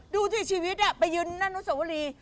ดูที่ชีวิตไปยืนนั่นรู้สึกว่าลี